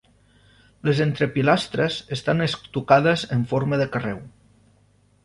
Les entrepilastres estan estucades en forma de carreu.